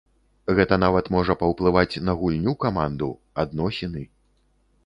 Гэта нават можа паўплываць на гульню каманду, адносіны.